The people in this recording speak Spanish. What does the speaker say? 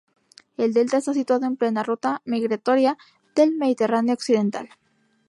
El delta está situado en plena ruta migratoria del Mediterráneo occidental.